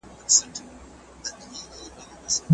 مدنيتونه، د پښتو ژبې ادبیات